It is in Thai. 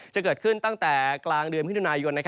จะเกิดขึ้นตั้งแต่กลางเดือนมิถุนายน